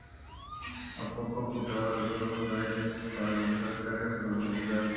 A popa contaba dos raíles para lanzar cargas de profundidad.